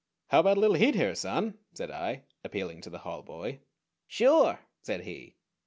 "How about a little heat here, Son?" said I, appealing to the hallboy. "Sure!" said he.